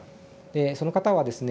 その方はですね